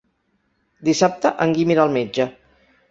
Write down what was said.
Dissabte en Guim irà al metge.